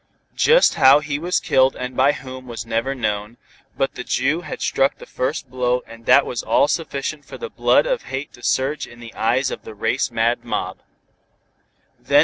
Just how he was killed and by whom was never known. But the Jew had struck the first blow and that was all sufficient for the blood of hate to surge in the eyes of the race mad mob.